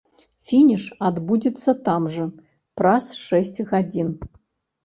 Фініш адбудзецца там жа, праз шэсць гадзін.